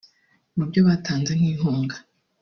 Mu byo batanze nk’inkunga